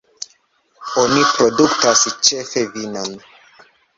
Oni produktas ĉefe vinon.